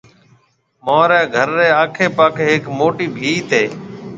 مهاريَ گهر ريَ آکِي پاکِي هيَڪ موٽِي ڀِيت هيَ۔